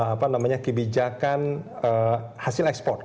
apa namanya kebijakan hasil ekspor